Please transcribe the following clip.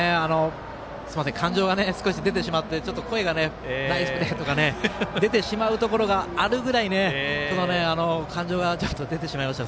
感情が少し出てしまってナイスプレー！とか出てしまうところがあるくらい感情が出てしまいました。